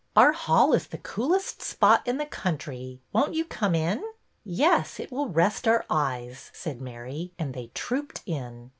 Our hall is the coolest spot in the country. Won't you come in? " Yes, it will rest our eyes," said Mary, and they trooped in.